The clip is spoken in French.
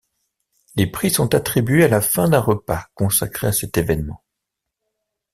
Les prix sont attribués à la fin d'un repas consacré à cet événement.